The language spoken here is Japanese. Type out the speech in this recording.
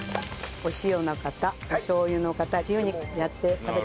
お塩の方おしょう油の方自由にやって食べてください。